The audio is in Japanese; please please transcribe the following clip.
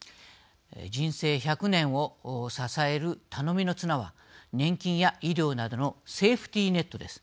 人生１００年を支える頼みの綱は年金や医療などのセーフティネットです。